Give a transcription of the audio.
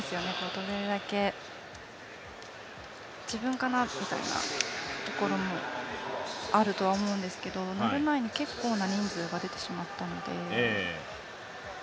どれだけ自分かなみたいなところもあるとは思うんですけど鳴る前に結構な人数が出てしまったので。